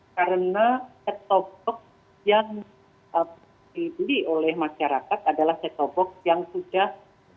karena set topoks yang dibeli oleh masyarakat adalah set topoks yang sudah